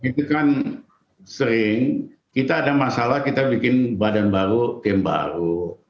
itu kan sering kita ada masalah kita bikin badan baru tim baru